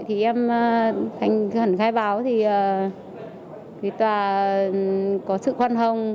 thì em hẳn khai báo thì tòa có sự hoan hồng